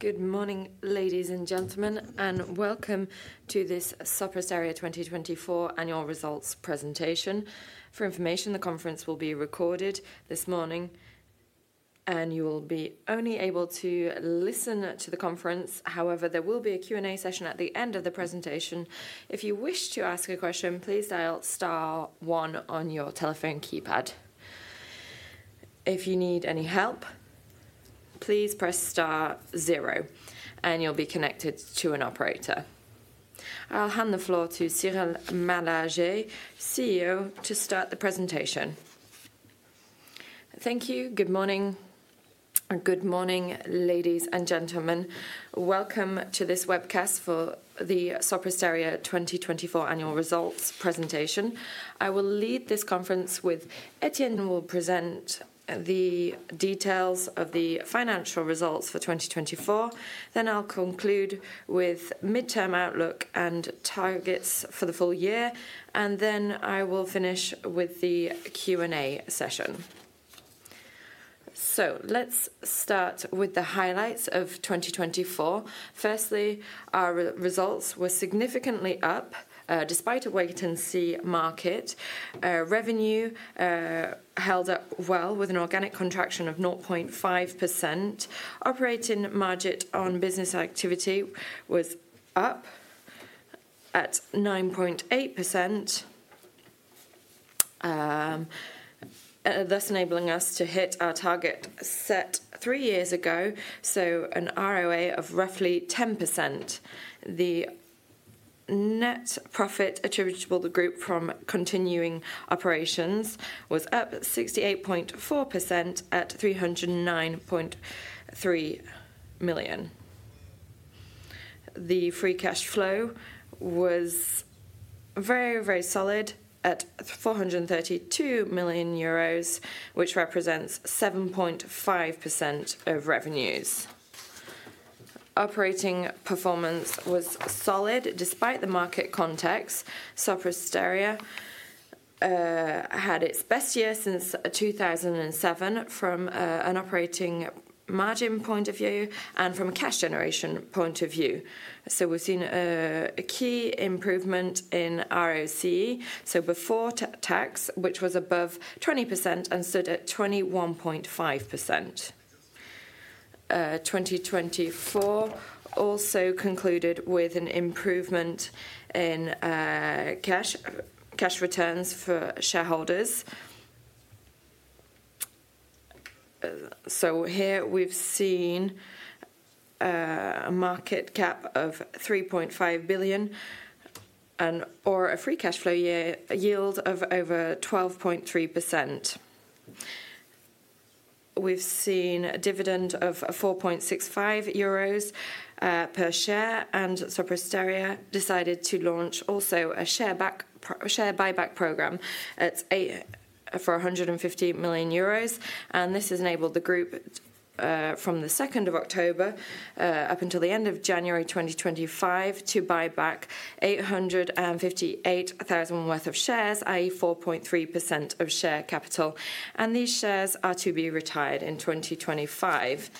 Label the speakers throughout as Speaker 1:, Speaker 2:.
Speaker 1: Good morning, ladies and gentlemen, and welcome to this Sopra Steria 2024 Annual Results Presentation. For information, the conference will be recorded this morning, and you will be only able to listen to the conference. However, there will be a Q&A session at the end of the presentation. If you wish to ask a question, please dial star one on your telephone keypad. If you need any help, please press star zero, and you'll be connected to an operator. I'll hand the floor to Cyril Malargé, CEO, to start the presentation.
Speaker 2: Thank you. Good morning. Good morning, ladies and gentlemen. Welcome to this webcast for the Sopra Steria 2024 annual results presentation. I will lead this conference with Etienne. He will present the details of the financial results for 2024. Then I'll conclude with midterm outlook and targets for the full year. I will finish with the Q&A session. Let's start with the highlights of 2024. Firstly, our results were significantly up despite a wait-and-see market. Revenue held up well with an organic contraction of 0.5%. Operating margin on business activity was up at 9.8%, thus enabling us to hit our target set three years ago, so an ROA of roughly 10%. The net profit attributable to the group from continuing operations was up 68.4% at EUR 309.3 million. The free cash flow was very, very solid at 432 million euros, which represents 7.5% of revenues. Operating performance was solid despite the market context. Sopra Steria had its best year since 2007 from an operating margin point of view and from a cash generation point of view. We've seen a key improvement in ROC, so before tax, which was above 20% and stood at 21.5%. 2024 also concluded with an improvement in cash returns for shareholders, so here we've seen a market cap of 3.5 billion or a free cash flow yield of over 12.3%. We've seen a dividend of 4.65 euros per share, and Sopra Steria decided to launch also a share buyback program for 150 million euros, and this has enabled the group from the 2nd of October up until the end of January 2025 to buy back 858,000 worth of shares, i.e., 4.3% of share capital, and these shares are to be retired in 2025.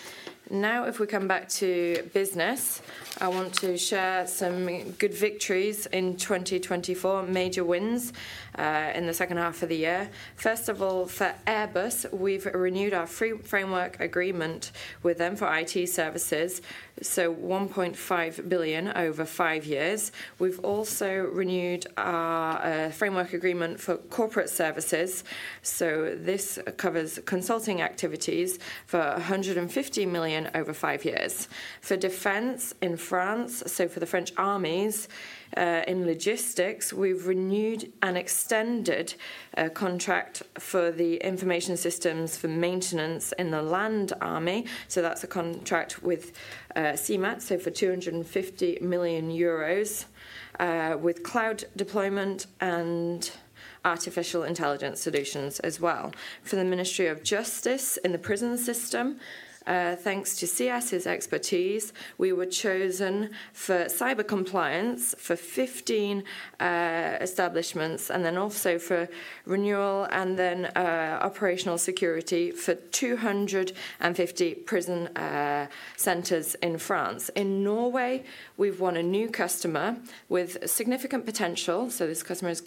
Speaker 2: Now, if we come back to business, I want to share some good victories in 2024, major wins in the second half of the year. First of all, for Airbus, we've renewed our framework agreement with them for IT services, so 1.5 billion over five years. We've also renewed our framework agreement for corporate services. This covers consulting activities for 150 million over five years. For defense in France, so for the French armies, in logistics, we've renewed and extended a contract for the information systems for maintenance in the land army. That's a contract with SIMMT, so for 250 million euros with cloud deployment and artificial intelligence solutions as well. For the Ministry of Justice in the prison system, thanks to CS's expertise, we were chosen for cyber compliance for 15 establishments and then also for renewal and then operational security for 250 prison centers in France. In Norway, we've won a new customer with significant potential. This customer is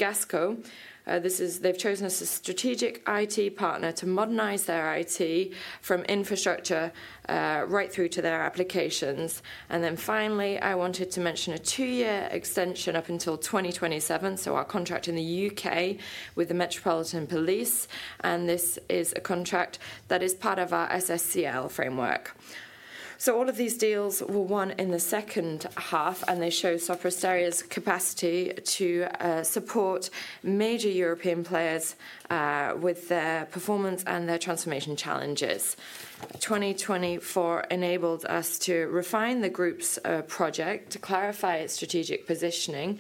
Speaker 2: Gassco. They've chosen us as a strategic IT partner to modernize their IT from infrastructure right through to their applications. Finally, I wanted to mention a two-year extension up until 2027. So, our contract in the UK with the Metropolitan Police, and this is a contract that is part of our SSCL framework. So, all of these deals were won in the second half, and they show Sopra Steria's capacity to support major European players with their performance and their transformation challenges. 2024 enabled us to refine the group's project to clarify its strategic positioning.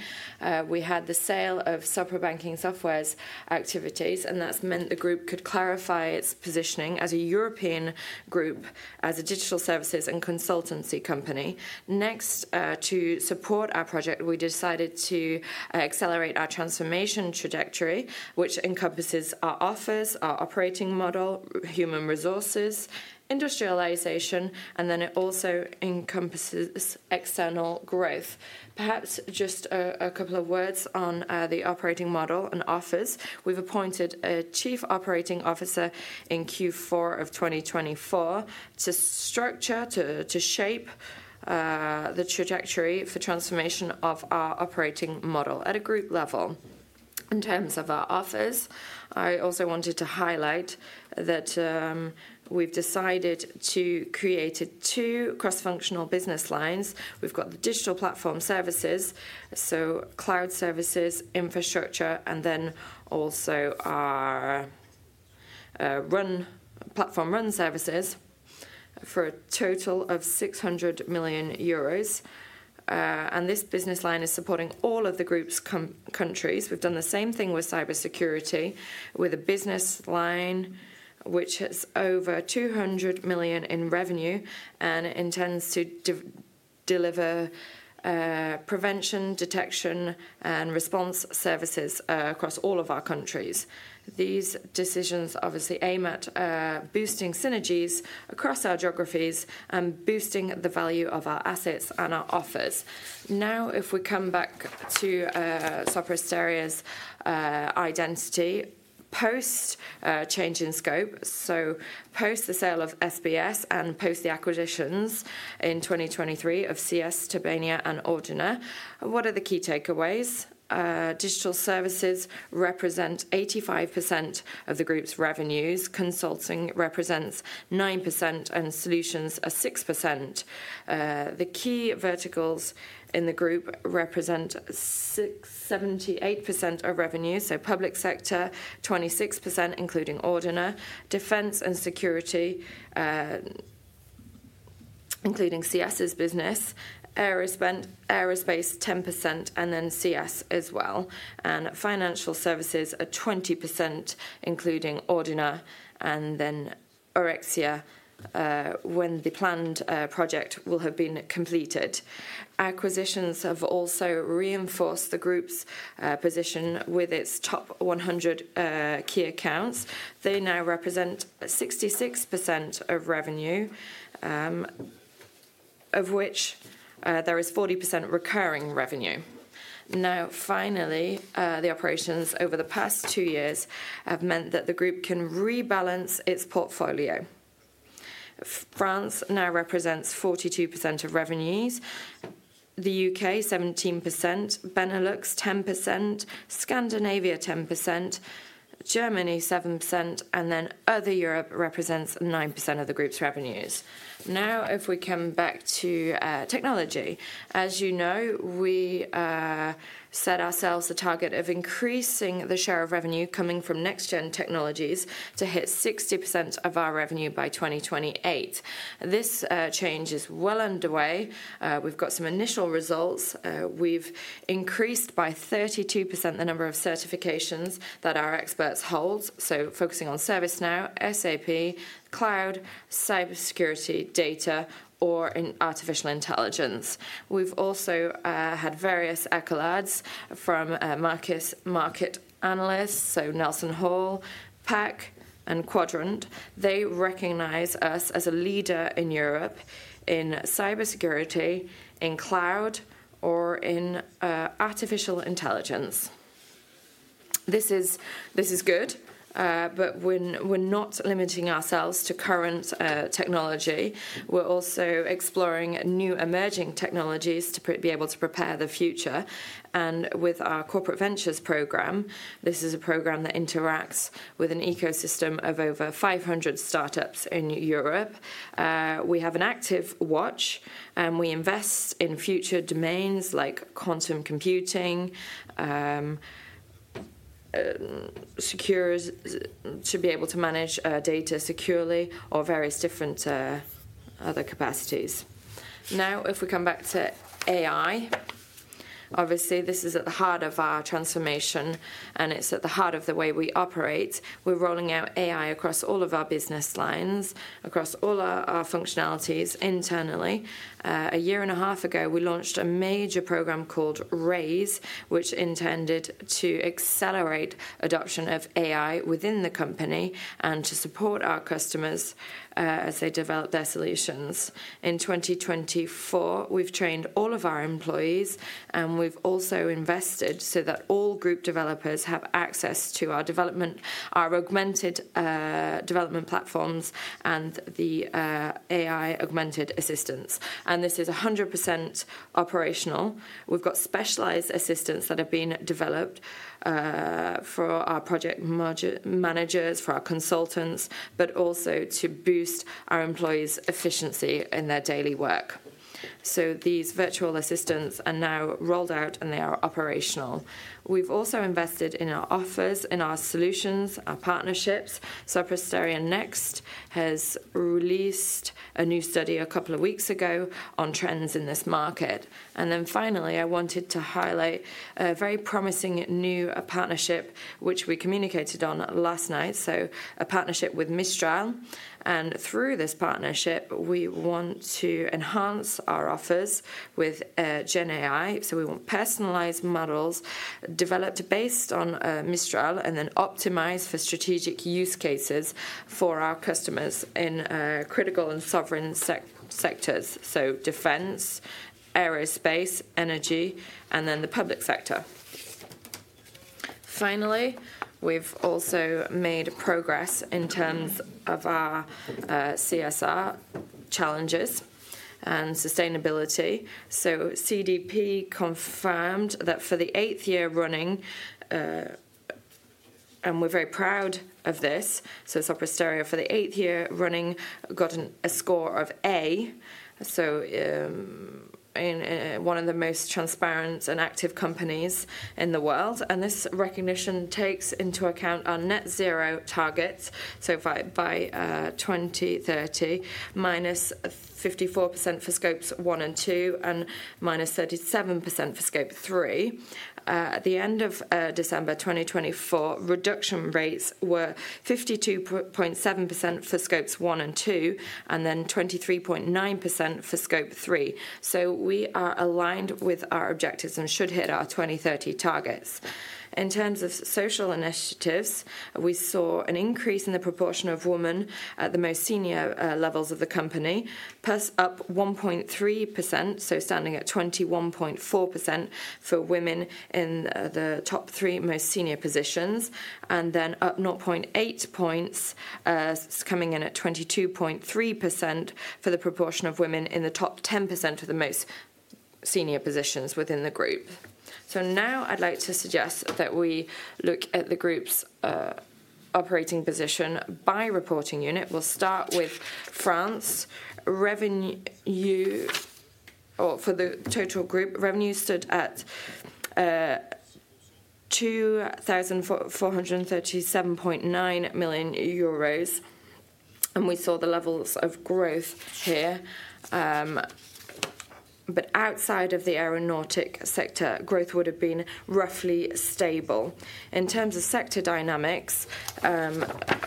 Speaker 2: We had the sale of Sopra Banking Software's activities, and that's meant the group could clarify its positioning as a European group, as a digital services and consultancy company. Next, to support our project, we decided to accelerate our transformation trajectory, which encompasses our offers, our operating model, human resources, industrialization, and then it also encompasses external growth. Perhaps just a couple of words on the operating model and offers. We've appointed a Chief Operating Officer in Q4 of 2024 to structure, to shape the trajectory for transformation of our operating model at a group level. In terms of our offers, I also wanted to highlight that we've decided to create two cross-functional business lines. We've got the digital platform services, so cloud services, infrastructure, and then also our platform run services for a total of 600 million euros. And this business line is supporting all of the group's countries. We've done the same thing with cybersecurity, with a business line which has over 200 million in revenue and intends to deliver prevention, detection, and response services across all of our countries. These decisions obviously aim at boosting synergies across our geographies and boosting the value of our assets and our offers. Now, if we come back to Sopra Steria's identity post change in scope, so post the sale of SBS and post the acquisitions in 2023 of CS, Tobania, and Ordina, what are the key takeaways? Digital services represent 85% of the group's revenues. Consulting represents 9% and solutions are 6%. The key verticals in the group represent 78% of revenue, so public sector 26%, including Ordina, defense and security, including CS's business, aerospace 10%, and then CS as well. And financial services are 20%, including Ordina and then Aurexia when the planned project will have been completed. Acquisitions have also reinforced the group's position with its top 100 key accounts. They now represent 66% of revenue, of which there is 40% recurring revenue. Now, finally, the operations over the past two years have meant that the group can rebalance its portfolio. France now represents 42% of revenues. The UK, 17%, Benelux, 10%, Scandinavia, 10%, Germany, 7%, and then other Europe represents 9% of the group's revenues. Now, if we come back to technology, as you know, we set ourselves a target of increasing the share of revenue coming from next-gen technologies to hit 60% of our revenue by 2028. This change is well underway. We've got some initial results. We've increased by 32% the number of certifications that our experts hold. So focusing on ServiceNow, SAP, cloud, cybersecurity, data, or artificial intelligence. We've also had various accolades from market analysts, so NelsonHall, PAC, and Quadrant. They recognize us as a leader in Europe in cybersecurity, in cloud, or in artificial intelligence. This is good, but we're not limiting ourselves to current technology. We're also exploring new emerging technologies to be able to prepare the future. With our Corporate Ventures program, this is a program that interacts with an ecosystem of over 500 startups in Europe. We have an active watch, and we invest in future domains like quantum computing, secure to be able to manage data securely, or various different other capacities. Now, if we come back to AI, obviously this is at the heart of our transformation, and it's at the heart of the way we operate. We're rolling out AI across all of our business lines, across all our functionalities internally. A year and a half ago, we launched a major program called rAIse, which intended to accelerate adoption of AI within the company and to support our customers as they develop their solutions. In 2024, we've trained all of our employees, and we've also invested so that all group developers have access to our augmented development platforms and the AI augmented assistance. And this is 100% operational. We've got specialized assistants that have been developed for our project managers, for our consultants, but also to boost our employees' efficiency in their daily work. So these virtual assistants are now rolled out, and they are operational. We've also invested in our offers, in our solutions, our partnerships. Sopra Steria Next has released a new study a couple of weeks ago on trends in this market. And then finally, I wanted to highlight a very promising new partnership, which we communicated on last night, so a partnership with Mistral. And through this partnership, we want to enhance our offers with GenAI. So we want personalized models developed based on Mistral and then optimized for strategic use cases for our customers in critical and sovereign sectors, so defense, aerospace, energy, and then the public sector. Finally, we've also made progress in terms of our CSR challenges and sustainability. So CDP confirmed that for the eighth year running, and we're very proud of this. So Sopra Steria for the eighth year running got a score of A, so one of the most transparent and active companies in the world. And this recognition takes into account our net zero targets, so by 2030, -54% for scopes one and two, and -37% for scope three. At the end of December 2024, reduction rates were 52.7% for scopes one and two, and then 23.9% for scope three. So we are aligned with our objectives and should hit our 2030 targets. In terms of social initiatives, we saw an increase in the proportion of women at the most senior levels of the company, plus up 1.3%, so standing at 21.4% for women in the top three most senior positions, and then up 0.8 points, coming in at 22.3% for the proportion of women in the top 10% of the most senior positions within the group. So now I'd like to suggest that we look at the group's operating position by reporting unit. We'll start with France. Revenue for the total group revenue stood at 2,437.9 million euros, and we saw the levels of growth here. But outside of the aeronautic sector, growth would have been roughly stable. In terms of sector dynamics,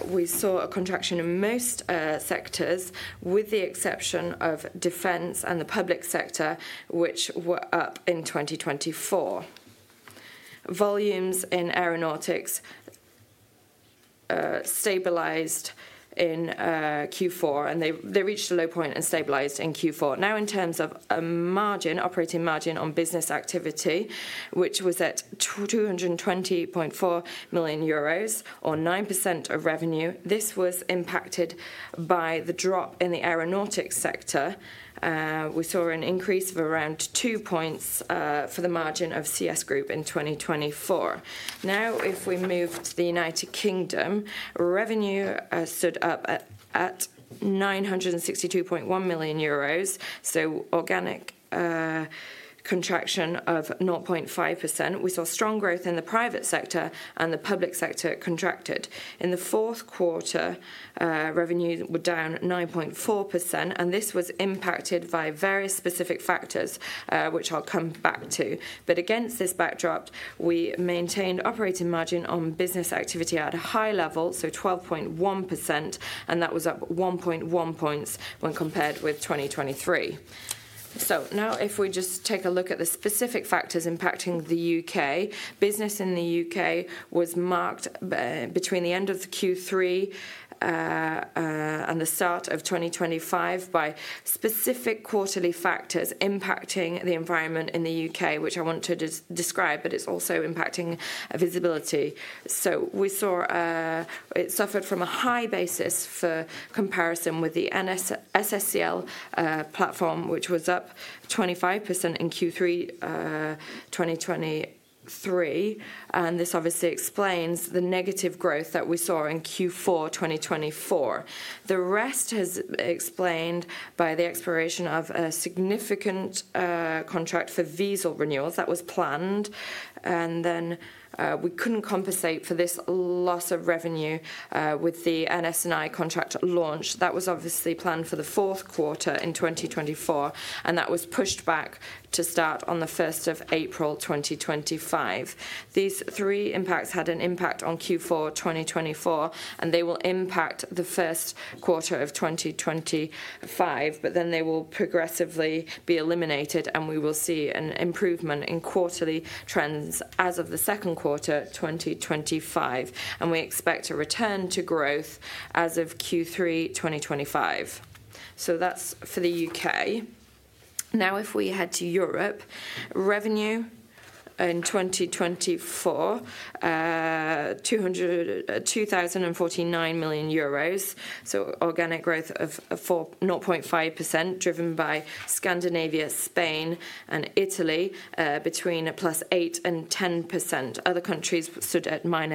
Speaker 2: we saw a contraction in most sectors, with the exception of defense and the public sector, which were up in 2024. Volumes in aeronautics stabilized in Q4, and they reached a low point and stabilized in Q4. Now, in terms of operating margin on business activity, which was at 220.4 million euros, or 9% of revenue, this was impacted by the drop in the aeronautics sector. We saw an increase of around two points for the margin of CS Group in 2024. Now, if we move to the United Kingdom, revenue stood up at 962.1 million euros, so organic contraction of 0.5%. We saw strong growth in the private sector, and the public sector contracted. In the fourth quarter, revenue were down 9.4%, and this was impacted by various specific factors, which I'll come back to, but against this backdrop, we maintained operating margin on business activity at a high level, so 12.1%, and that was up 1.1 points when compared with 2023. So now, if we just take a look at the specific factors impacting the UK business in the UK, business was marked between the end of Q3 and the start of 2025 by specific quarterly factors impacting the environment in the UK, which I want to describe, but it's also impacting visibility. So we saw it suffered from a high basis for comparison with the SSCL platform, which was up 25% in Q3 2023, and this obviously explains the negative growth that we saw in Q4 2024. The rest is explained by the expiration of a significant contract for visa renewals that was planned, and then we couldn't compensate for this loss of revenue with the NS&I contract launch that was obviously planned for the fourth quarter in 2024, and that was pushed back to start on the 1st of April 2025. These three impacts had an impact on Q4 2024, and they will impact the first quarter of 2025, but then they will progressively be eliminated, and we will see an improvement in quarterly trends as of the second quarter 2025, and we expect a return to growth as of Q3 2025. So that's for the UK. Now, if we head to Europe, revenue in 2024, 2,049 million euros, so organic growth of 0.5%, driven by Scandinavia, Spain, and Italy, between +8% and 10%. Other countries stood at between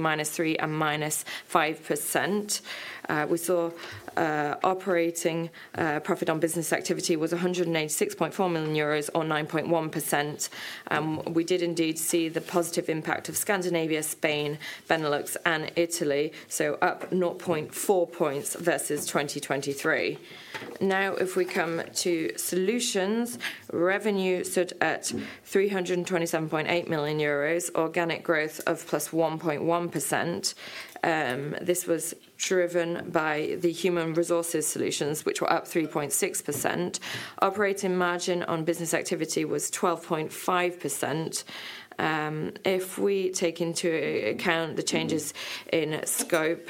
Speaker 2: -3% and -5%. We saw operating profit on business activity was 186.4 million euros, or 9.1%, and we did indeed see the positive impact of Scandinavia, Spain, Benelux, and Italy, so up 0.4 points versus 2023. Now, if we come to solutions, revenue stood at 327.8 million euros, organic growth of +1.1%. This was driven by the human resources solutions, which were up 3.6%. Operating margin on business activity was 12.5%. If we take into account the changes in scope,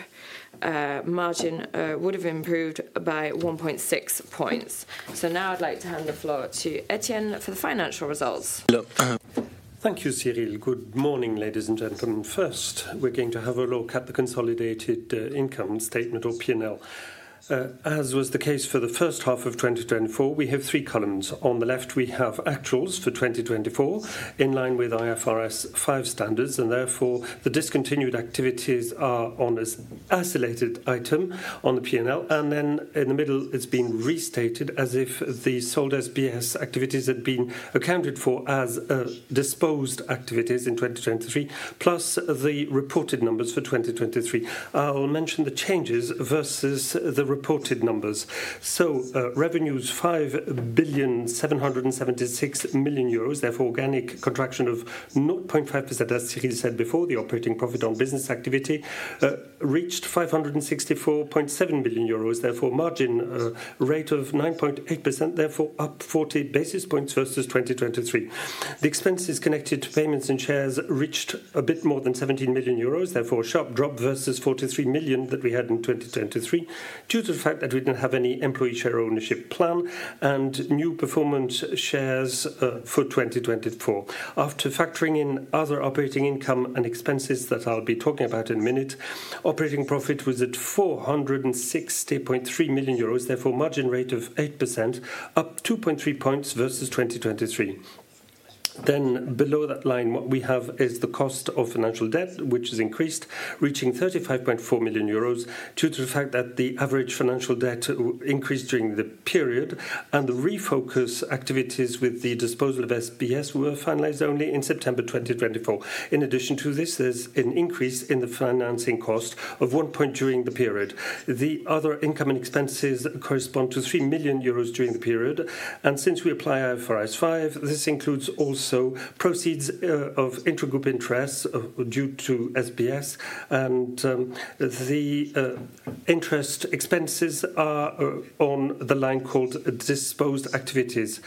Speaker 2: margin would have improved by 1.6 points. So now I'd like to hand the floor to Etienne for the financial results.
Speaker 3: Thank you, Cyril. Good morning, ladies and gentlemen. First, we're going to have a look at the consolidated income statement or P&L. As was the case for the first half of 2024, we have three columns. On the left, we have actuals for 2024 in line with IFRS 5 standards, and therefore the discontinued activities are on an isolated item on the P&L, and then in the middle, it's been restated as if the sold SBS activities had been accounted for as discontinued activities in 2023, plus the reported numbers for 2023. I'll mention the changes versus the reported numbers. Revenues, 5,776,000,000 euros, therefore organic contraction of 0.5%, as Cyril said before, the operating profit on business activity reached 564.7 million euros, therefore margin rate of 9.8%, therefore up 40 basis points versus 2023. The expenses connected to payments and shares reached a bit more than 17 million euros, therefore a sharp drop versus 43 million that we had in 2023 due to the fact that we didn't have any employee share ownership plan and new performance shares for 2024. After factoring in other operating income and expenses that I'll be talking about in a minute, operating profit was at 460.3 million euros, therefore margin rate of 8%, up 2.3 points versus 2023. Then below that line, what we have is the cost of financial debt, which has increased, reaching 35.4 million euros, due to the fact that the average financial debt increased during the period, and the refocus activities with the disposal of SBS were finalized only in September 2024. In addition to this, there's an increase in the financing cost of one point during the period. The other income and expenses correspond to 3 million euros during the period, and since we apply IFRS 5, this includes also proceeds of intergroup interests due to SBS, and the interest expenses are on the line called disposed activities.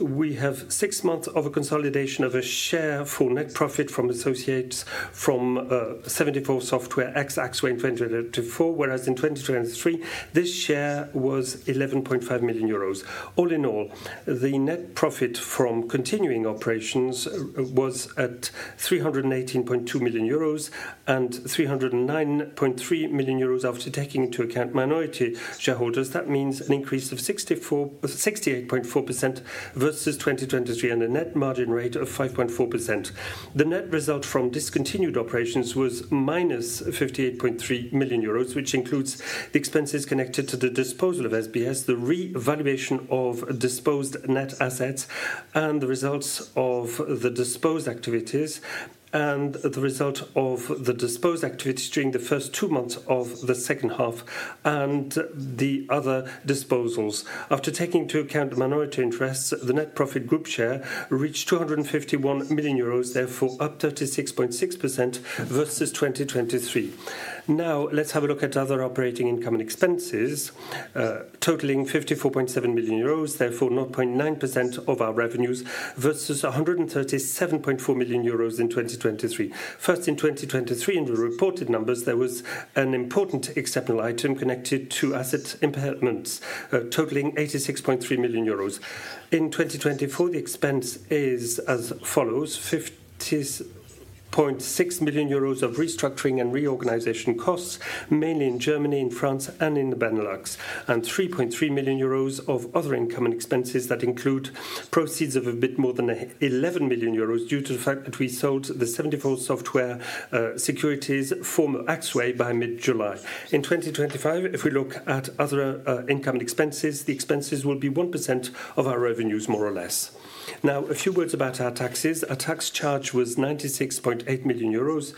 Speaker 3: We have six months of a consolidation of a share for net profit from associates from 74Software Axway in 2024, whereas in 2023, this share was 11.5 million euros. All in all, the net profit from continuing operations was at 318.2 million euros and 309.3 million euros after taking into account minority shareholders. That means an increase of 68.4% versus 2023 and a net margin rate of 5.4%. The net result from discontinued operations was minus 58.3 million euros, which includes the expenses connected to the disposal of SBS, the revaluation of disposed net assets, and the results of the disposed activities, and the result of the disposed activities during the first two months of the second half and the other disposals. After taking into account minority interests, the net profit group share reached 251 million euros, therefore up 36.6% versus 2023. Now, let's have a look at other operating income and expenses, totaling 54.7 million euros, therefore 0.9% of our revenues versus 137.4 million euros in 2023. First, in 2023, in the reported numbers, there was an important exceptional item connected to asset impairments, totaling 86.3 million euros. In 2024, the expense is as follows: 50.6 million euros of restructuring and reorganization costs, mainly in Germany, in France, and in the Benelux, and 3.3 million euros of other income and expenses that include proceeds of a bit more than 11 million euros due to the fact that we sold the Axway securities, former Axway, by mid-July. In 2025, if we look at other income and expenses, the expenses will be 1% of our revenues, more or less. Now, a few words about our taxes. Our tax charge was 96.8 million euros,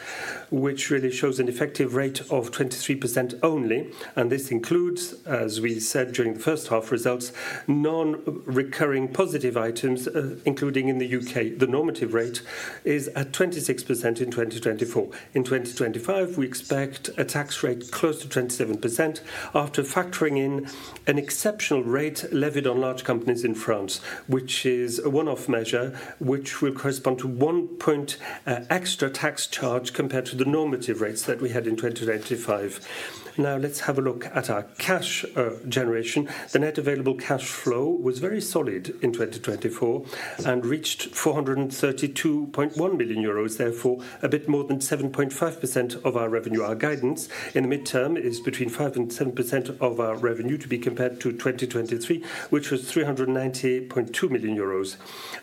Speaker 3: which really shows an effective rate of 23% only, and this includes, as we said during the first half results, non-recurring positive items, including in the UK. The normative rate is at 26% in 2024. In 2025, we expect a tax rate close to 27% after factoring in an exceptional rate levied on large companies in France, which is a one-off measure, which will correspond to one point extra tax charge compared to the normative rates that we had in 2025. Now, let's have a look at our cash generation. The net available cash flow was very solid in 2024 and reached 432.1 million euros, therefore a bit more than 7.5% of our revenue. Our guidance in the midterm is between 5% and 7% of our revenue to be compared to 2023, which was 390.2 million euros,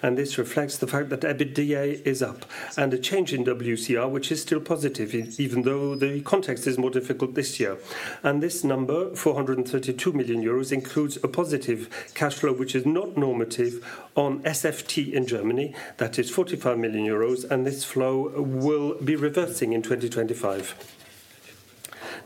Speaker 3: and this reflects the fact that EBITDA is up and a change in WCR, which is still positive, even though the context is more difficult this year. And this number, 432 million euros, includes a positive cash flow, which is non-recurring on SFT in Germany, that is 45 million euros, and this flow will be reversing in 2025.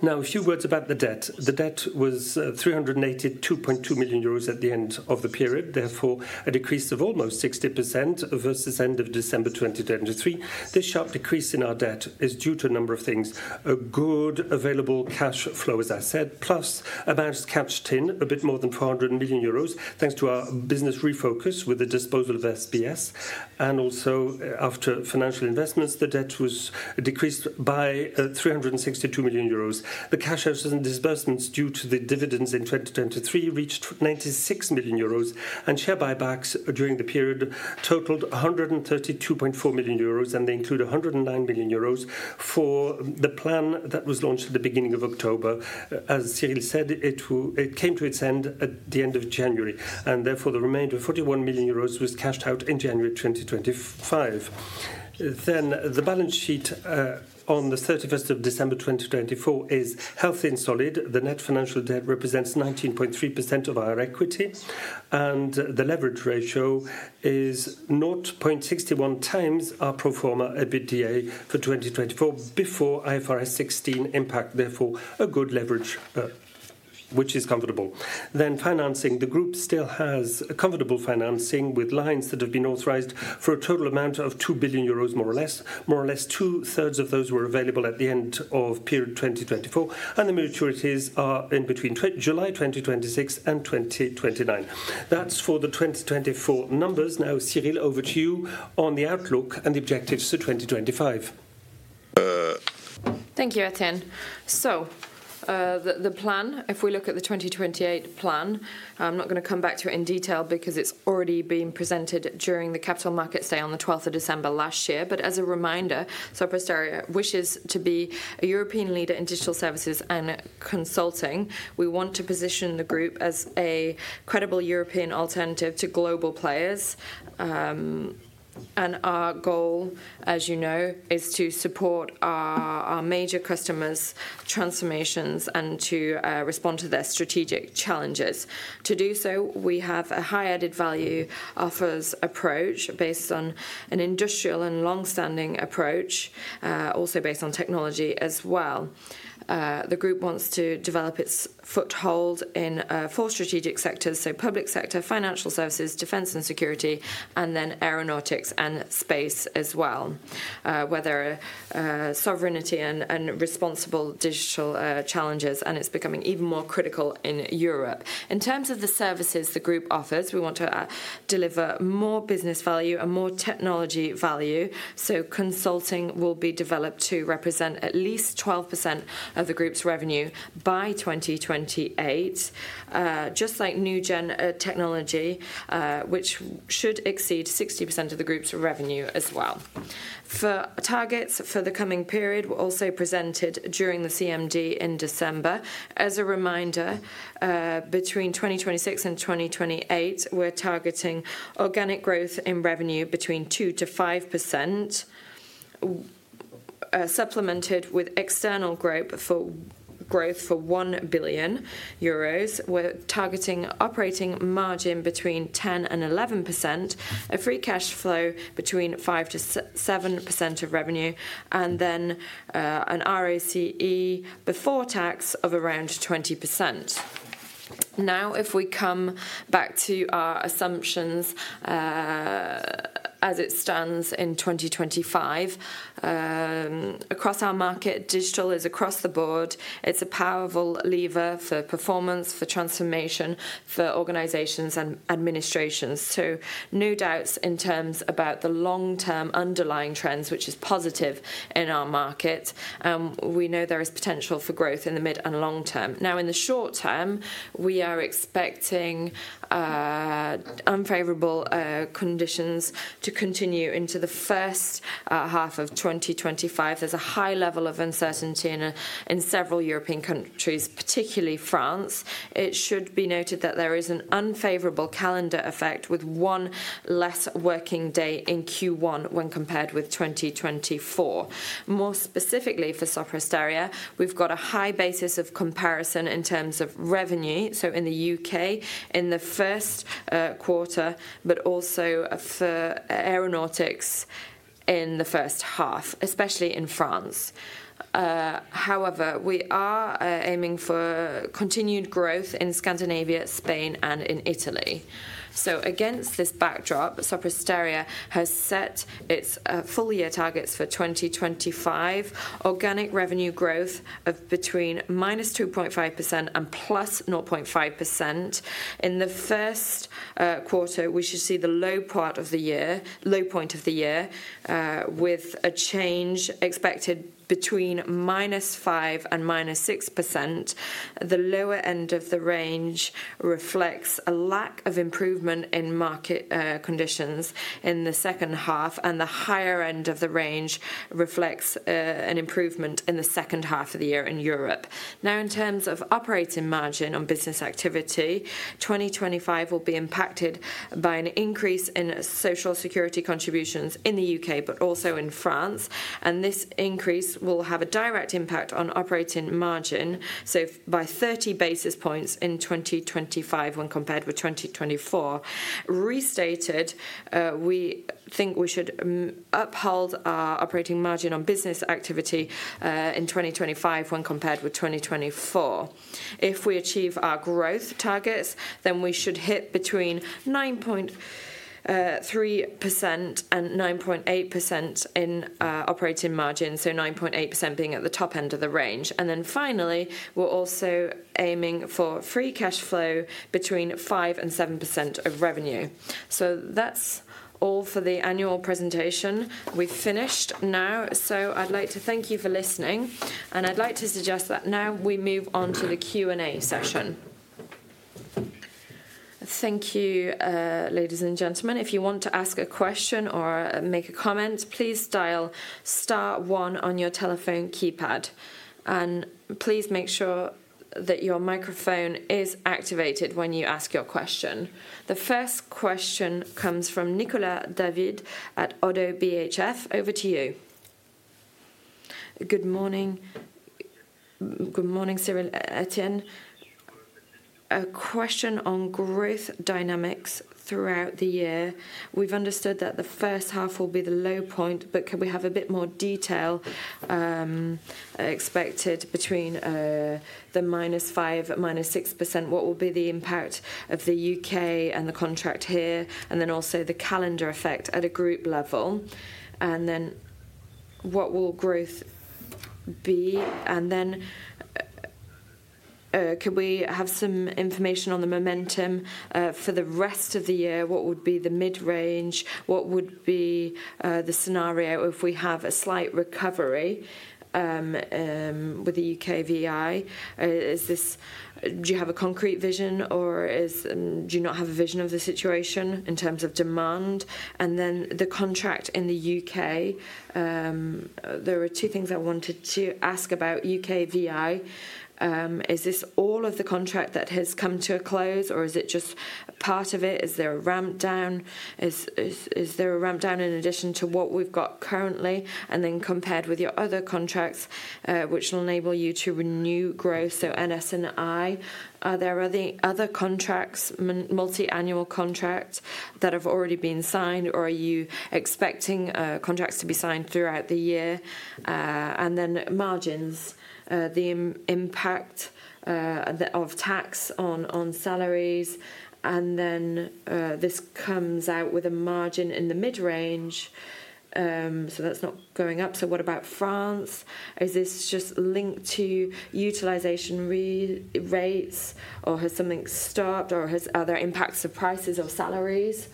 Speaker 3: Now, a few words about the debt. The debt was 382.2 million euros at the end of the period, therefore a decrease of almost 60% versus the end of December 2023. This sharp decrease in our debt is due to a number of things: a good available cash flow, as I said, plus a managed cash in, a bit more than 400 million euros, thanks to our business refocus with the disposal of SBS, and also after financial investments, the debt was decreased by 362 million euros. The cash assets and disbursements due to the dividends in 2023 reached 96 million euros, and share buybacks during the period totaled 132.4 million euros, and they include 109 million euros for the plan that was launched at the beginning of October. As Cyril said, it came to its end at the end of January, and therefore the remainder of 41 million euros was cashed out in January 2025, then the balance sheet on the 31st of December 2024 is healthy and solid. The net financial debt represents 19.3% of our equity, and the leverage ratio is 0.61 times our pro forma EBITDA for 2024 before IFRS 16 impact, therefore a good leverage, which is comfortable, then financing, the group still has comfortable financing with lines that have been authorized for a total amount of 2 billion euros, more or less. More or less two-thirds of those were available at the end of period 2024, and the maturities are in between July 2026 and 2029. That's for the 2024 numbers. Now, Cyril, over to you on the outlook and the objectives for 2025.
Speaker 2: Thank you, Etienne. So the plan, if we look at the 2028 plan, I'm not going to come back to it in detail because it's already been presented during the Capital Markets day on the 12th of December last year, but as a reminder, Sopra Steria wishes to be a European leader in digital services and consulting. We want to position the group as a credible European alternative to global players, and our goal, as you know, is to support our major customers' transformations and to respond to their strategic challenges. To do so, we have a high-added value offers approach based on an industrial and long-standing approach, also based on technology as well. The group wants to develop its foothold in four strategic sectors, so public sector, financial services, defense and security, and then aeronautics and space as well, where there are sovereignty and responsible digital challenges, and it's becoming even more critical in Europe. In terms of the services the group offers, we want to deliver more business value and more technology value, so consulting will be developed to represent at least 12% of the group's revenue by 2028, just like new-gen technology, which should exceed 60% of the group's revenue as well. For targets for the coming period, we're also presented during the CMD in December. As a reminder, between 2026 and 2028, we're targeting organic growth in revenue between 2%-5%, supplemented with external growth for 1 billion euros. We're targeting operating margin between 10% and 11%, a free cash flow between 5%-7% of revenue, and then an ROCE before tax of around 20%. Now, if we come back to our assumptions as it stands in 2025, across our market, digital is across the board. It's a powerful lever for performance, for transformation, for organizations and administrations. So no doubts in terms of the long-term underlying trends, which is positive in our market, and we know there is potential for growth in the mid and long term. Now, in the short term, we are expecting unfavorable conditions to continue into the first half of 2025. There's a high level of uncertainty in several European countries, particularly France. It should be noted that there is an unfavorable calendar effect with one less working day in Q1 when compared with 2024. More specifically, for Sopra Steria, we've got a high basis of comparison in terms of revenue, so in the UK in the first quarter, but also for aeronautics in the first half, especially in France. However, we are aiming for continued growth in Scandinavia, Spain, and in Italy. So against this backdrop, Sopra Steria has set its full-year targets for 2025, organic revenue growth of between -2.5% and +0.5%. In the first quarter, we should see the low point of the year with a change expected between -5% and -6%. The lower end of the range reflects a lack of improvement in market conditions in the second half, and the higher end of the range reflects an improvement in the second half of the year in Europe. Now, in terms of operating margin on business activity, 2025 will be impacted by an increase in social security contributions in the UK, but also in France, and this increase will have a direct impact on operating margin, so by 30 basis points in 2025 when compared with 2024. Restated, we think we should uphold our operating margin on business activity in 2025 when compared with 2024. If we achieve our growth targets, then we should hit between 9.3% and 9.8% in operating margin, so 9.8% being at the top end of the range. And then finally, we're also aiming for free cash flow between 5% and 7% of revenue. So that's all for the annual presentation. We've finished now, so I'd like to thank you for listening, and I'd like to suggest that now we move on to the Q&A session.
Speaker 1: Thank you, ladies and gentlemen. If you want to ask a question or make a comment, please dial star one on your telephone keypad, and please make sure that your microphone is activated when you ask your question. The first question comes from Nicolas David at ODDO BHF. Over to you.
Speaker 4: Good morning. Good morning, Cyril, Etienne. A question on growth dynamics throughout the year. We've understood that the first half will be the low point, but can we have a bit more detail expected between the -5% and -6%? What will be the impact of the UK and the contract here, and then also the calendar effect at a group level? And then what will growth be? And then could we have some information on the momentum for the rest of the year? What would be the mid-range? What would be the scenario if we have a slight recovery with the UKVI? Do you have a concrete vision, or do you not have a vision of the situation in terms of demand? And then the contract in the UK, there are two things I wanted to ask about UKVI. Is this all of the contract that has come to a close, or is it just part of it? Is there a ramp down? Is there a ramp down in addition to what we've got currently? And then compared with your other contracts, which will enable you to renew growth, so NS&I, are there other contracts, multi-annual contracts that have already been signed, or are you expecting contracts to be signed throughout the year? And then margins, the impact of tax on salaries, and then this comes out with a margin in the mid-range, so that's not going up. So what about France? Is this just linked to utilization rates, or has something stopped, or are there impacts of prices or salaries?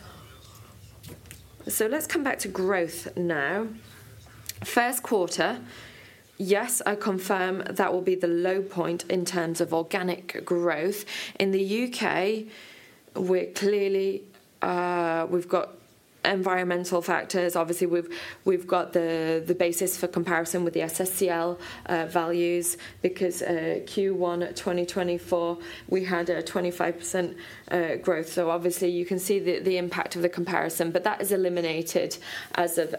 Speaker 2: So let's come back to growth now. First quarter, yes, I confirm that will be the low point in terms of organic growth. In the UK, we've got environmental factors. Obviously, we've got the basis for comparison with the SSCL values because Q1 2024, we had a 25% growth. So obviously, you can see the impact of the comparison, but that is eliminated as of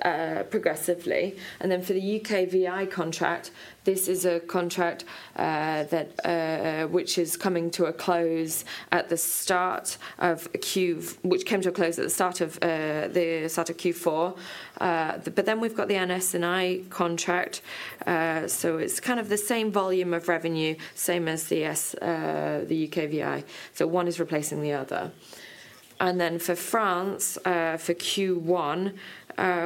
Speaker 2: progressively. And then for the UKVI contract, this is a contract which is coming to a close at the start of Q, which came to a close at the start of Q4. But then we've got the NS&I contract, so it's kind of the same volume of revenue, same as the UKVI. So one is replacing the other. And then for France, for Q1,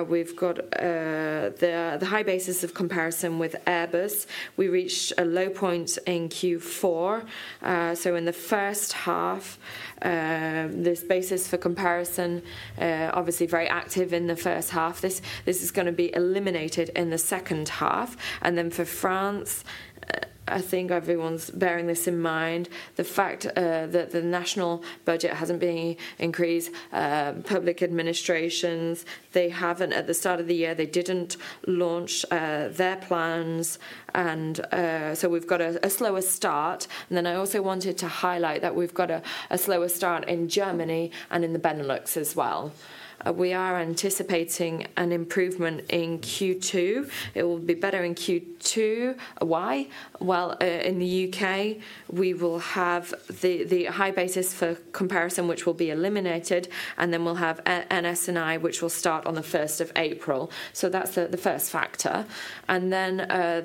Speaker 2: we've got the high basis of comparison with Airbus. We reached a low point in Q4. So in the first half, this basis for comparison, obviously very active in the first half. This is going to be eliminated in the second half. And then for France, I think everyone's bearing this in mind, the fact that the national budget hasn't been increased. Public administrations, they haven't at the start of the year; they didn't launch their plans, and so we've got a slower start. And then I also wanted to highlight that we've got a slower start in Germany and in the Benelux as well. We are anticipating an improvement in Q2. It will be better in Q2. Why? Well, in the U.K., we will have the high basis for comparison, which will be eliminated, and then we'll have NS&I, which will start on the 1st of April. So that's the first factor. And then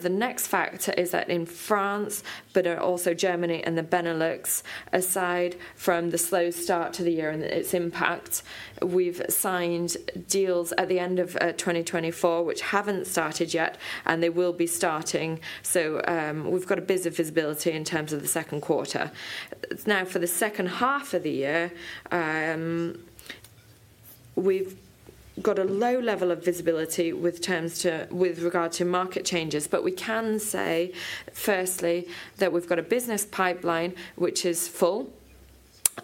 Speaker 2: the next factor is that in France, but also Germany and the Benelux, aside from the slow start to the year and its impact, we've signed deals at the end of 2024 which haven't started yet, and they will be starting. So we've got a bit of visibility in terms of the second quarter. Now, for the second half of the year, we've got a low level of visibility with regard to market changes, but we can say, firstly, that we've got a business pipeline which is full.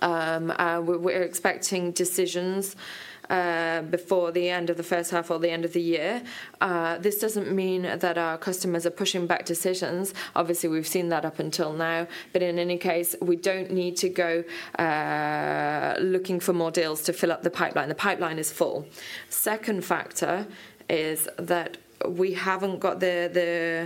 Speaker 2: We're expecting decisions before the end of the first half or the end of the year. This doesn't mean that our customers are pushing back decisions. Obviously, we've seen that up until now, but in any case, we don't need to go looking for more deals to fill up the pipeline. The pipeline is full. Second factor is that we haven't got the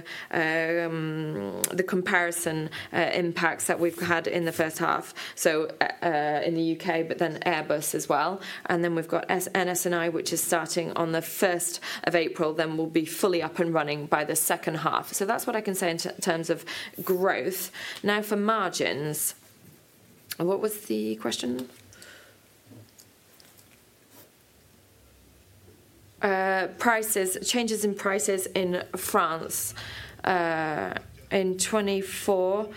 Speaker 2: comparison impacts that we've had in the first half, so in the UK, but then Airbus as well. And then we've got NS&I, which is starting on the 1st of April, then we'll be fully up and running by the second half. So that's what I can say in terms of growth. Now, for margins, what was the question? Prices, changes in prices in France. In 2024,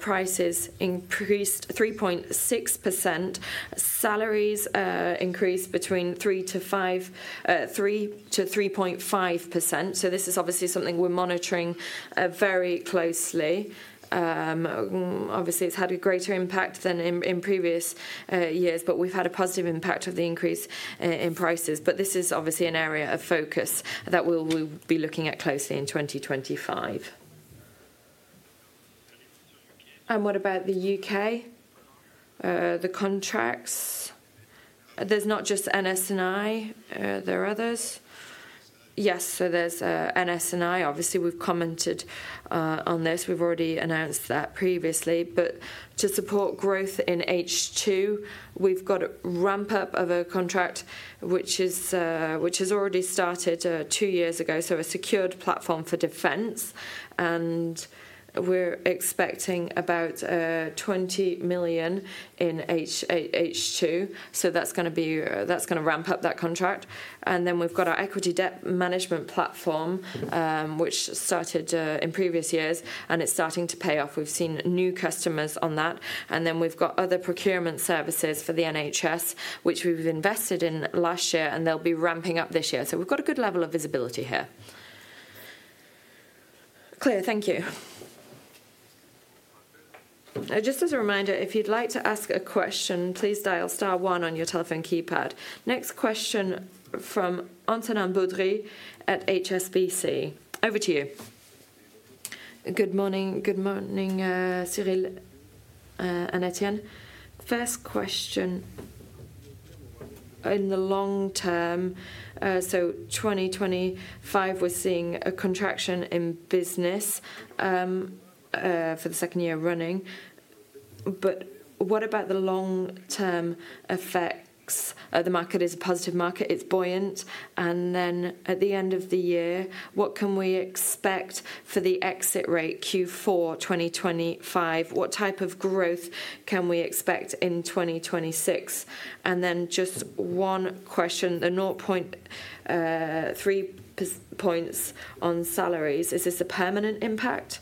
Speaker 2: prices increased 3.6%. Salaries increased between 3%-3.5%. So this is obviously something we're monitoring very closely. Obviously, it's had a greater impact than in previous years, but we've had a positive impact of the increase in prices. But this is obviously an area of focus that we'll be looking at closely in 2025. And what about the UK? The contracts? There's not just NS&I, there are others? Yes, so there's NS&I. Obviously, we've commented on this. We've already announced that previously. But to support growth in H2, we've got a ramp up of a contract which has already started two years ago, so a secured platform for defense. And we're expecting about 20 million in H2. So that's going to ramp up that contract. And then we've got our equity Debt Management Platform, which started in previous years, and it's starting to pay off. We've seen new customers on that. And then we've got other procurement services for the NHS, which we've invested in last year, and they'll be ramping up this year. So we've got a good level of visibility here.
Speaker 4: Clear, thank you.
Speaker 1: Just as a reminder, if you'd like to ask a question, please dial star one on your telephone keypad. Next question from Antonin Baudry at HSBC. Over to you.
Speaker 5: Good morning. Good morning, Cyril and Etienne. First question, in the long term, so 2025, we're seeing a contraction in business for the second year running. But what about the long-term effects? The market is a positive market. It's buoyant. And then at the end of the year, what can we expect for the exit rate, Q4 2025? What type of growth can we expect in 2026? And then just one question, the 0.3 points on salaries. Is this a permanent impact?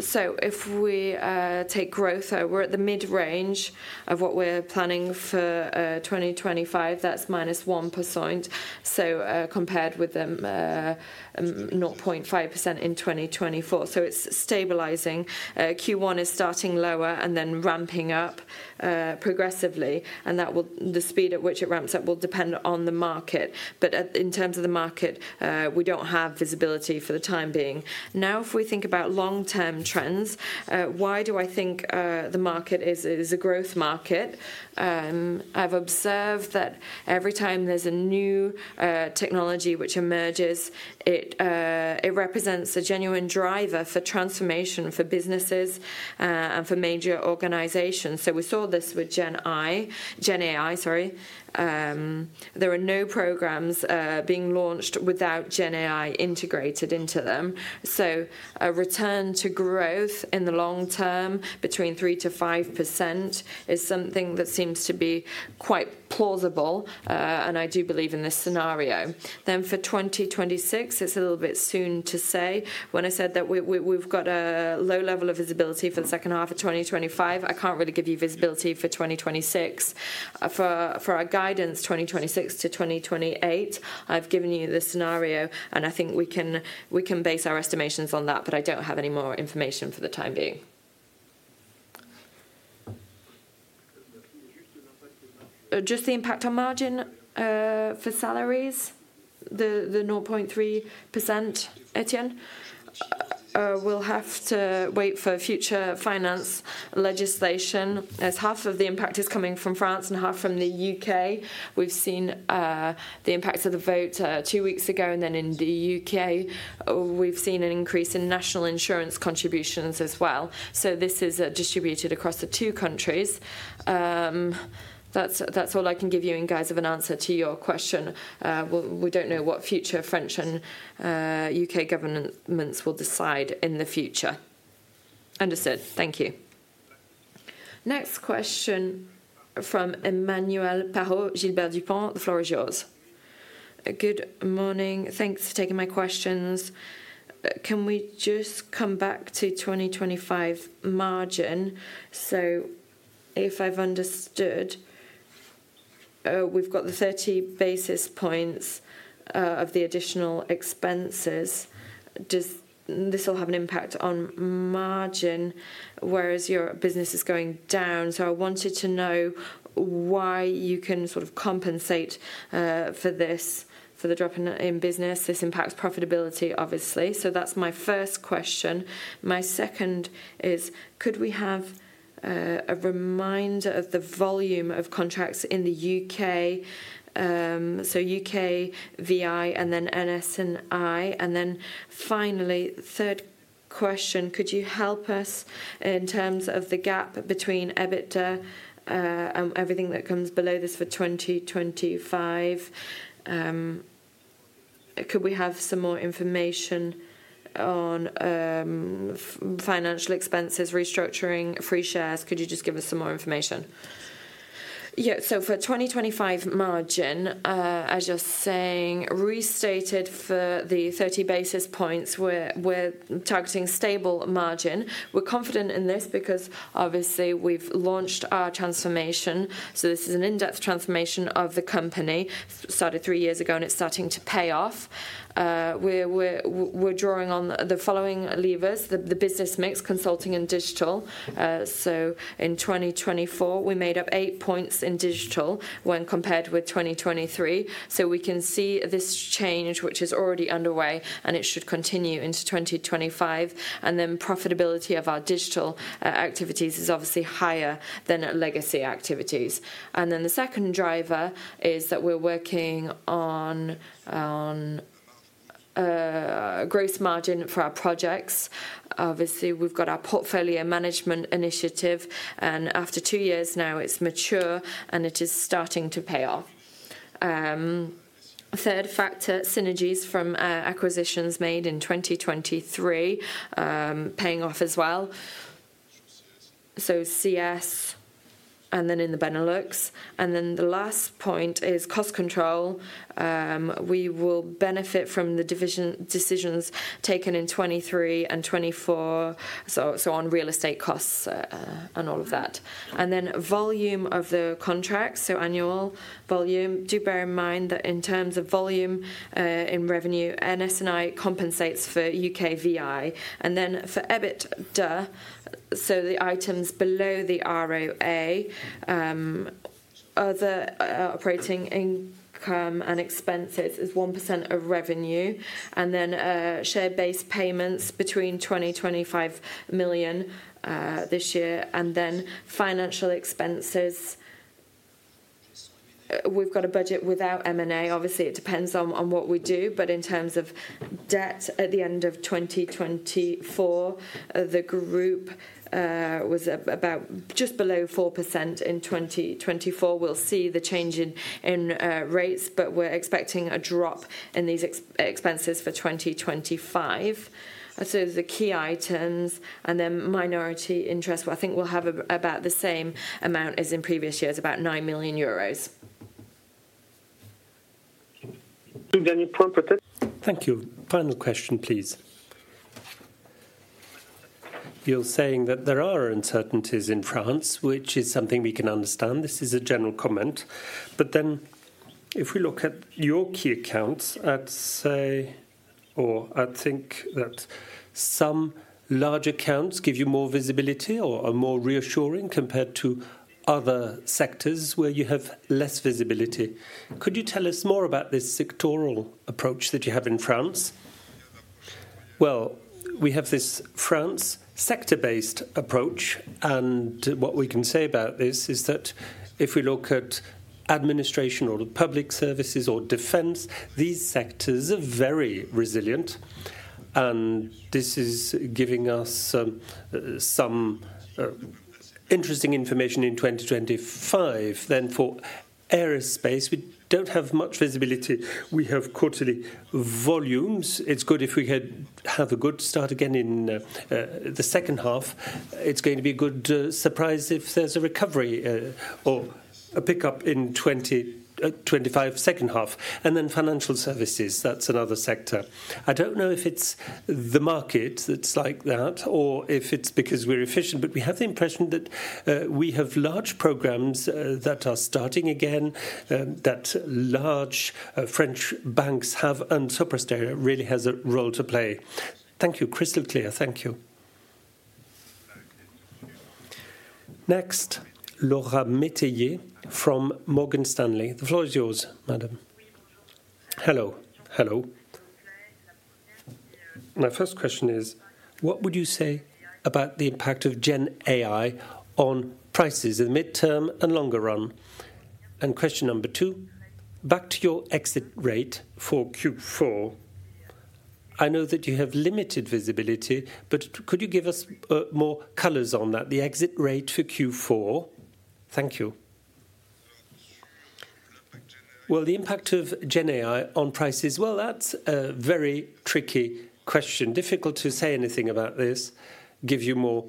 Speaker 2: So if we take growth, we're at the mid-range of what we're planning for 2025. That's -1%. So compared with the 0.5% in 2024. So it's stabilizing. Q1 is starting lower and then ramping up progressively. And the speed at which it ramps up will depend on the market. But in terms of the market, we don't have visibility for the time being. Now, if we think about long-term trends, why do I think the market is a growth market? I've observed that every time there's a new technology which emerges, it represents a genuine driver for transformation for businesses and for major organizations. So we saw this with GenAI, sorry. There are no programs being launched without GenAI integrated into them. So a return to growth in the long term between 3%-5% is something that seems to be quite plausible, and I do believe in this scenario. Then for 2026, it's a little bit soon to say. When I said that we've got a low level of visibility for the second half of 2025, I can't really give you visibility for 2026. For our guidance, 2026 to 2028, I've given you the scenario, and I think we can base our estimations on that, but I don't have any more information for the time being. Just the impact on margin for salaries, the 0.3%, Etienne? We'll have to wait for future finance legislation. Half of the impact is coming from France and half from the U.K. We've seen the impacts of the vote two weeks ago, and then in the U.K., we've seen an increase in national insurance contributions as well. So this is distributed across the two countries. That's all I can give you in guise of an answer to your question. We don't know what future French and U.K. governments will decide in the future.
Speaker 5: Understood. Thank you.
Speaker 1: Next question from Emmanuel Parot, Gilbert Dupont. The floor is yours.
Speaker 6: Good morning. Thanks for taking my questions. Can we just come back to 2025 margin? So if I've understood, we've got the 30 basis points of the additional expenses. This will have an impact on margin, whereas your business is going down. So I wanted to know why you can sort of compensate for this, for the drop in business. This impacts profitability, obviously. So that's my first question. My second is, could we have a reminder of the volume of contracts in the UK? So UKVI and then NS&I. And then finally, third question, could you help us in terms of the gap between EBITDA and everything that comes below this for 2025? Could we have some more information on financial expenses, restructuring, free shares? Could you just give us some more information?
Speaker 2: Yeah. So for 2025 margin, as you're saying, restated for the 30 basis points, we're targeting stable margin. We're confident in this because obviously we've launched our transformation, so this is an in-depth transformation of the company, started three years ago, and it's starting to pay off. We're drawing on the following levers, the business mix, consulting, and digital, so in 2024, we made up 8 points in digital when compared with 2023, so we can see this change, which is already underway, and it should continue into 2025, and then profitability of our digital activities is obviously higher than legacy activities, and then the second driver is that we're working on gross margin for our projects. Obviously, we've got our portfolio management initiative, and after two years now, it's mature, and it is starting to pay off. Third factor, synergies from acquisitions made in 2023, paying off as well, so CS, and then in the Benelux, and then the last point is cost control. We will benefit from the decisions taken in 2023 and 2024, so on real estate costs and all of that. And then volume of the contracts, so annual volume. Do bear in mind that in terms of volume in revenue, NS&I compensates for UKVI. And then for EBITDA, so the items below the ROA, other operating income and expenses is 1% of revenue. And then share-based payments between 20 million and 25 million this year. And then financial expenses. We've got a budget without M&A. Obviously, it depends on what we do. But in terms of debt at the end of 2024, the group was about just below 4% in 2024. We'll see the change in rates, but we're expecting a drop in these expenses for 2025. So the key items and then minority interest, I think we'll have about the same amount as in previous years, about 9 million euros.
Speaker 6: Thank you. Final question, please. You're saying that there are uncertainties in France, which is something we can understand. This is a general comment. But then if we look at your key accounts, I'd say, or I think that some large accounts give you more visibility or are more reassuring compared to other sectors where you have less visibility. Could you tell us more about this sectoral approach that you have in France?
Speaker 3: Well, we have this France sector-based approach, and what we can say about this is that if we look at administration or public services or defense, these sectors are very resilient. And this is giving us some interesting information in 2025. Then for aerospace, we don't have much visibility. We have quarterly volumes. It's good if we have a good start again in the second half. It's going to be a good surprise if there's a recovery or a pickup in 2025 second half, and then financial services, that's another sector. I don't know if it's the market that's like that or if it's because we're efficient, but we have the impression that we have large programs that are starting again, that large French banks have and Sopra Steria really has a role to play.
Speaker 6: Thank you. Crystal clear. Thank you.
Speaker 1: Next. Laura Metayer from Morgan Stanley. The floor is yours, madam.
Speaker 7: Hello. Hello. My first question is, what would you say about the impact of GenAI on prices in the midterm and longer run? And question number two, back to your exit rate for Q4. I know that you have limited visibility, but could you give us more colors on that, the exit rate for Q4? Thank you.
Speaker 3: Well, the impact of GenAI on prices, well, that's a very tricky question. Difficult to say anything about this, give you more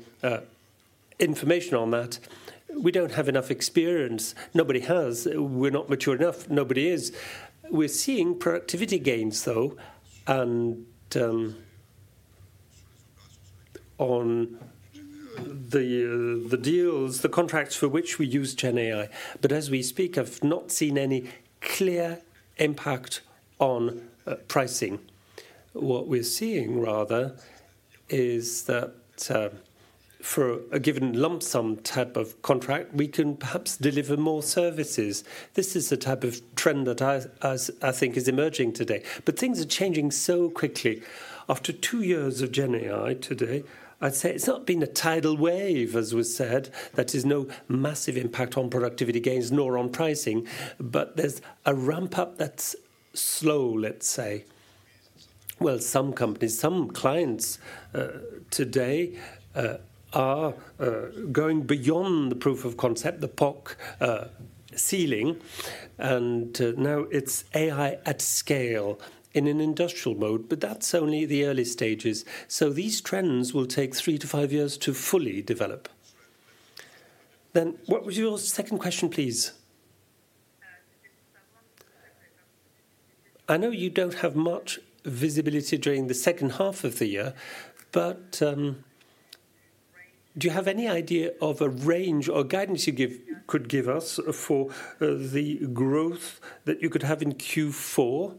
Speaker 3: information on that. We don't have enough experience. Nobody has. We're not mature enough. Nobody is. We're seeing productivity gains, though, on the deals, the contracts for which we use GenAI. But as we speak, I've not seen any clear impact on pricing. What we're seeing, rather, is that for a given lump sum type of contract, we can perhaps deliver more services. This is the type of trend that I think is emerging today. But things are changing so quickly. After two years of GenAI today, I'd say it's not been a tidal wave, as was said. That's no massive impact on productivity gains nor on pricing, but there's a ramp up that's slow, let's say. Well, some companies, some clients today are going beyond the proof of concept, the POC ceiling, and now it's AI at scale in an industrial mode, but that's only the early stages. So these trends will take three to five years to fully develop. Then what was your second question, please?
Speaker 7: I know you don't have much visibility during the second half of the year, but do you have any idea of a range or guidance you could give us for the growth that you could have in Q4?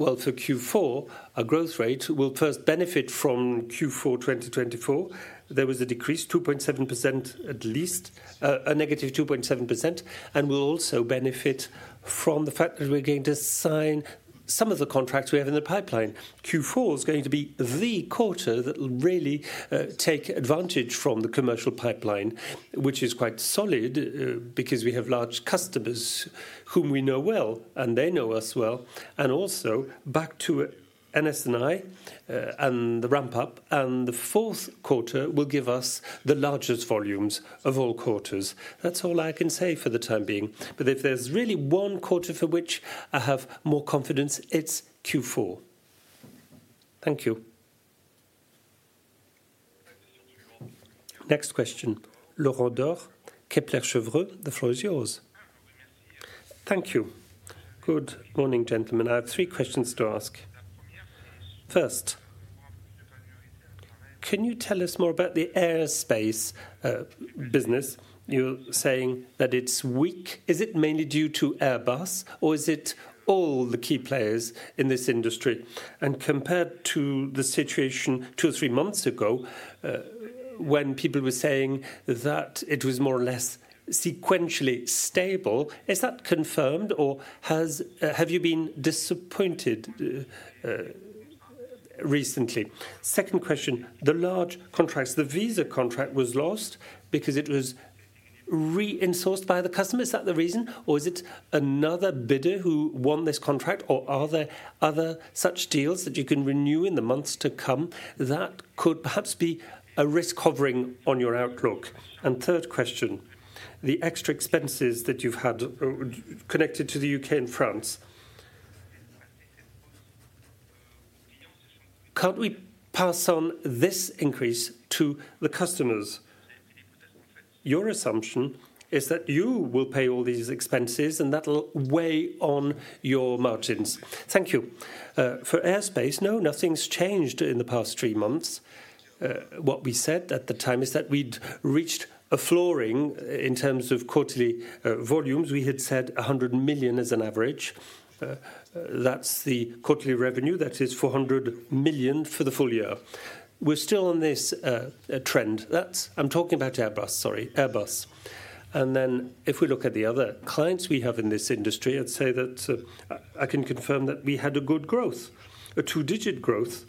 Speaker 3: Well, for Q4, our growth rate will first benefit from Q4 2024. There was a decrease, 2.7% at least, a negative 2.7%, and will also benefit from the fact that we're going to sign some of the contracts we have in the pipeline. Q4 is going to be the quarter that will really take advantage from the commercial pipeline, which is quite solid because we have large customers whom we know well, and they know us well. And also back to NS&I and the ramp up, and the fourth quarter will give us the largest volumes of all quarters. That's all I can say for the time being. But if there's really one quarter for which I have more confidence, it's Q4.
Speaker 7: Thank you.
Speaker 1: Next question. Laurent Daure, Kepler Cheuvreux, the floor is yours.
Speaker 8: Thank you. Good morning, gentlemen. I have three questions to ask. First, can you tell us more about the aerospace business? You're saying that it's weak. Is it mainly due to Airbus, or is it all the key players in this industry? And compared to the situation two or three months ago when people were saying that it was more or less sequentially stable, is that confirmed, or have you been disappointed recently? Second question, the large contracts, the visa contract was lost because it was reinsourced by the customer. Is that the reason, or is it another bidder who won this contract, or are there other such deals that you can renew in the months to come that could perhaps be a risk hovering on your outlook? And third question, the extra expenses that you've had connected to the UK and France. Can't we pass on this increase to the customers? Your assumption is that you will pay all these expenses, and that'll weigh on your margins. Thank you.
Speaker 3: For aerospace, no, nothing's changed in the past three months. What we said at the time is that we'd reached a flooring in terms of quarterly volumes. We had said 100 million as an average. That's the quarterly revenue. That is 400 million for the full year. We're still on this trend. I'm talking about Airbus, sorry, Airbus. And then if we look at the other clients we have in this industry, I'd say that I can confirm that we had a good growth, a two-digit growth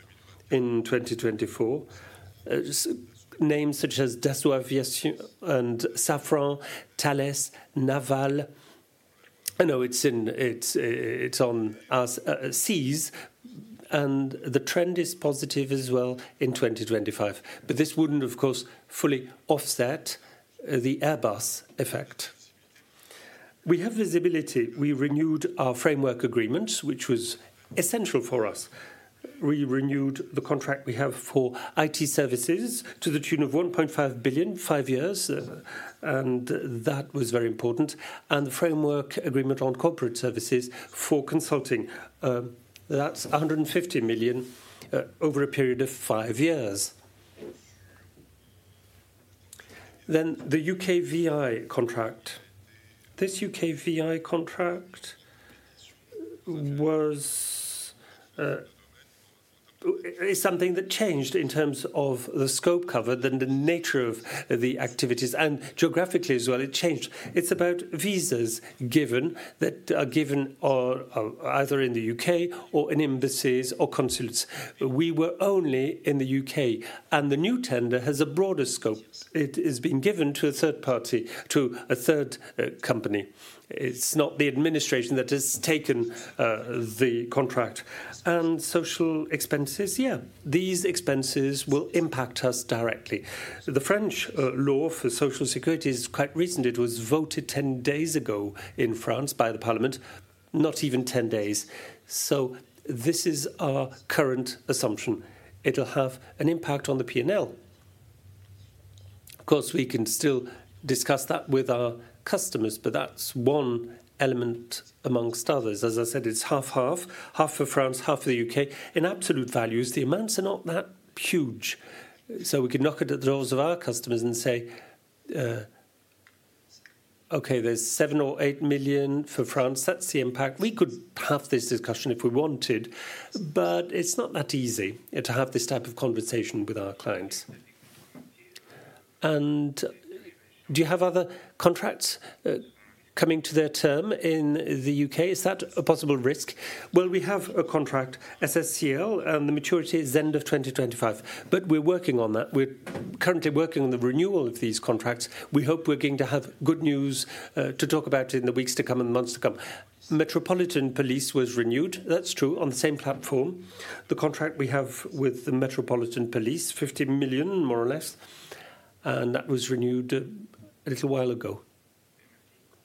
Speaker 3: in 2024. Names such as Dassault Aviation and Safran, Thales, Naval Group. I know it's on our seas, and the trend is positive as well in 2025. But this wouldn't, of course, fully offset the Airbus effect. We have visibility. We renewed our framework agreements, which was essential for us. We renewed the contract we have for IT services to the tune of 1.5 billion five years, and that was very important. And the framework agreement on corporate services for consulting, that's 150 million over a period of five years. Then the UKVI contract. This UKVI contract was something that changed in terms of the scope covered and the nature of the activities. And geographically as well, it changed. It's about visas given that are given either in the UK or in embassies or consulates. We were only in the UK, and the new tender has a broader scope. It has been given to a third party, to a third company. It's not the administration that has taken the contract. And social expenses, yeah, these expenses will impact us directly. The French law for social security is quite recent. It was voted 10 days ago in France by the parliament, not even 10 days. So this is our current assumption. It'll have an impact on the P&L. Of course, we can still discuss that with our customers, but that's one element among others. As I said, it's half-half, half for France, half for the UK. In absolute values, the amounts are not that huge. So we could knock it at the doors of our customers and say, "Okay, there's 7 million or 8 million for France. That's the impact." We could have this discussion if we wanted, but it's not that easy to have this type of conversation with our clients.
Speaker 8: And do you have other contracts coming to their term in the UK? Is that a possible risk?
Speaker 3: Well, we have a contract, SSCL, and the maturity is end of 2025. But we're working on that. We're currently working on the renewal of these contracts. We hope we're going to have good news to talk about in the weeks to come and the months to come. Metropolitan Police was renewed. That's true, on the same platform. The contract we have with the Metropolitan Police, 50 million, more or less, and that was renewed a little while ago.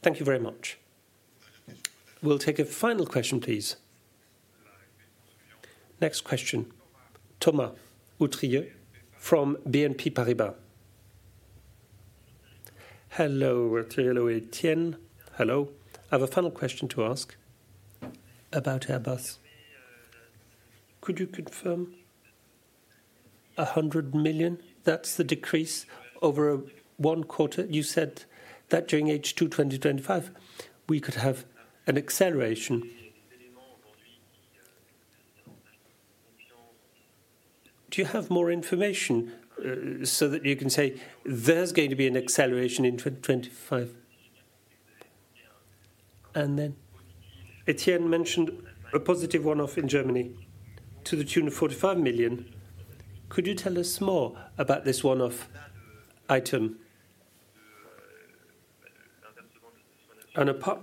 Speaker 8: Thank you very much.
Speaker 1: We'll take a final question, please. Next question, Thomas Poutrieux from BNP Paribas.
Speaker 9: Hello, hello, Etienne. Hello. I have a final question to ask about Airbus. Could you confirm 100 million? That's the decrease over one quarter. You said that during H2 2025, we could have an acceleration. Do you have more information so that you can say there's going to be an acceleration in 2025? And then Etienne mentioned a positive one-off in Germany to the tune of 45 million. Could you tell us more about this one-off item and, apart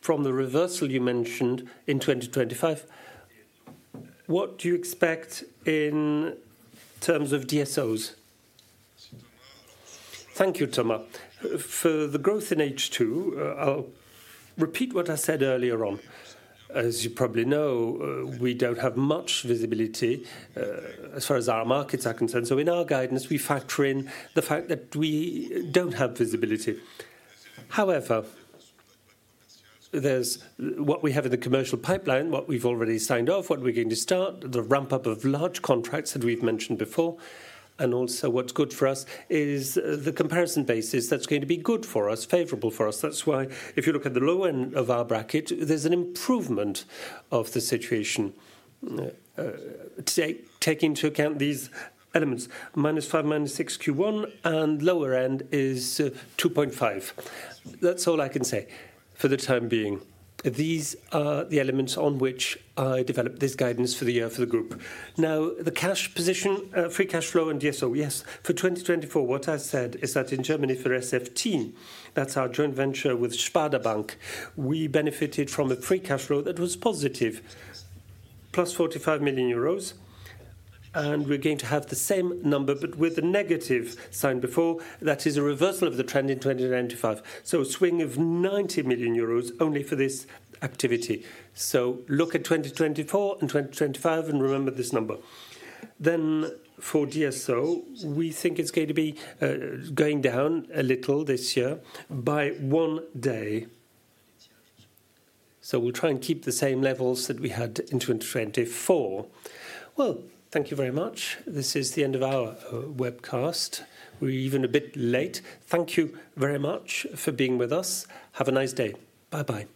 Speaker 9: from the reversal you mentioned in 2025, what do you expect in terms of DSOs?
Speaker 3: Thank you, Thomas. For the growth in H2, I'll repeat what I said earlier on. As you probably know, we don't have much visibility as far as our markets are concerned. So in our guidance, we factor in the fact that we don't have visibility. However, there's what we have in the commercial pipeline, what we've already signed off, what we're going to start, the ramp up of large contracts that we've mentioned before, and also what's good for us is the comparison basis that's going to be good for us, favorable for us. That's why if you look at the lower end of our bracket, there's an improvement of the situation today, taking into account these elements. -5, -6 Q1, and lower end is 2.5. That's all I can say for the time being. These are the elements on which I developed this guidance for the year for the group. Now, the cash position, free cash flow and DSO, yes. For 2024, what I said is that in Germany for SFT, that's our joint venture with Sparda-Bank, we benefited from a free cash flow that was positive, plus 45 million euros. And we're going to have the same number, but with a negative sign before. That is a reversal of the trend in 2025. So a swing of 90 million euros only for this activity. So look at 2024 and 2025 and remember this number. Then for DSO, we think it's going to be going down a little this year by one day. We'll try and keep the same levels that we had in 2024.
Speaker 1: Thank you very much. This is the end of our webcast. We're even a bit late. Thank you very much for being with us. Have a nice day. Bye-bye.